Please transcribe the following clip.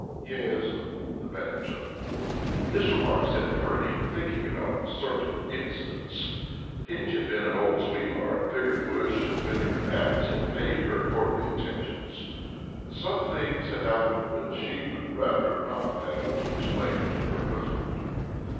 "Yes'm," the man chuckled. This remark set Pearline to thinking about certain incidents. Hitch had been an old sweetheart, Figger Bush and Vinegar Atts had paid her courtly attentions, and some things had happened that she would rather not have to explain to her husband.